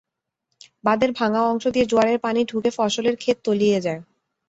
বাঁধের ভাঙা অংশ দিয়ে জোয়ারের পানি ঢুকে ফসলের খেত তলিয়ে যায়।